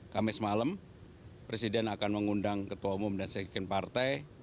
kamis malam presiden akan mengundang ketua umum dan sekjen partai